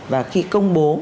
và khi công bố